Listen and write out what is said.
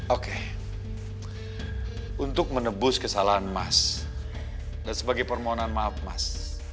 oke untuk menebus kesalahan emas dan sebagai permohonan maaf mas